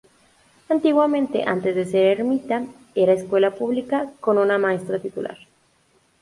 Antiguamente, antes de ser ermita, era escuela pública con una maestra titular.